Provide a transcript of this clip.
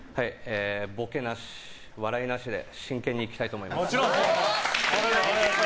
ボケなし、笑いなしで真剣に行きたいと思います。